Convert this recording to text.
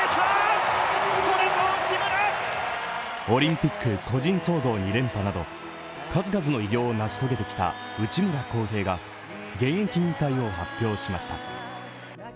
オリンピック個人総合２連覇など数々の偉業を成し遂げてきた内村航平が現役引退を発表しました。